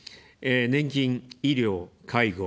年金・医療・介護。